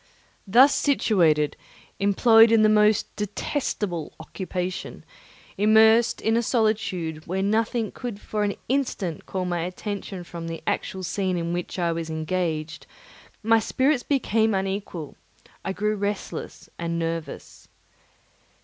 Thus situated, employed in the most detestable occupation, immersed in a solitude where nothing could for an instant call my attention from the actual scene in which I was engaged, my spirits became unequal; I grew restless and nervous.